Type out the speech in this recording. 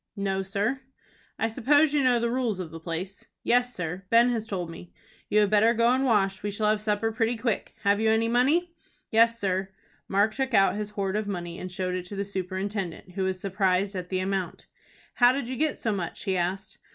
"No, sir." "I suppose you know the rules of the place." "Yes, sir; Ben has told me." "You had better go and wash. We shall have supper pretty quick. Have you any money?" "Yes, sir." Mark took out his hoard of money, and showed it to the superintendent, who was surprised at the amount. "How did you get so much?" he asked.